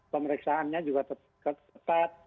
pemeriksaannya juga ketat